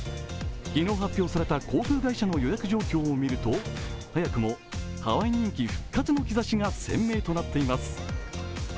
昨日発表された航空会社の予約状況を見ると早くもハワイ人気復活の兆しが鮮明となっています。